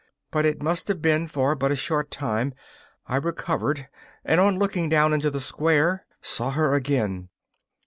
But it must have been for but a short time; I recovered, and, on looking down into the square, saw her again.